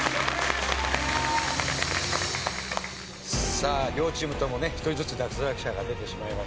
さあ両チームともね１人ずつ脱落者が出てしまいました。